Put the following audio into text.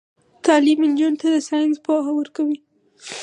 تعلیم نجونو ته د ساينس پوهه ورکوي.